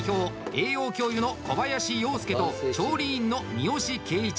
栄養教諭の小林洋介と調理員の三好景一。